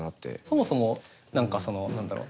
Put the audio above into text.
そもそも何かその何だろう